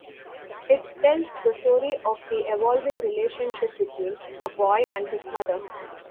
It tells the story of the evolving relationship between a boy and his mother.